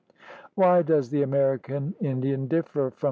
Why does the American Indian differ from the ' G